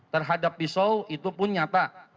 terhadap pisau itu pun nyata